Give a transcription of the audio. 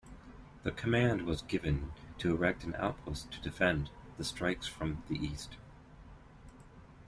The command was given to erect an outpost to defend strikes from the east.